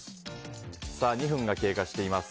２分が経過しています。